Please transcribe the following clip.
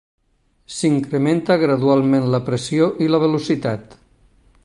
S'incrementa gradualment la pressió i la velocitat.